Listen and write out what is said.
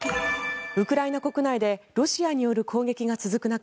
ウクライナ国内でロシアによる攻撃が続く中